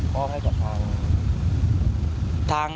มอบให้จากทางไหน